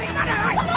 tidak apa apa pak